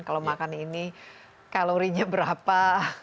kalau makan ini kalorinya berapa